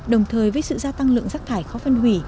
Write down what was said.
đồng thời với sự gia tăng lượng rác thải khó phân hủy